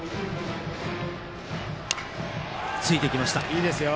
いいですよ。